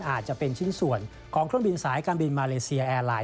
อาจจะเป็นชิ้นส่วนของเครื่องบินสายการบินมาเลเซียแอร์ไลน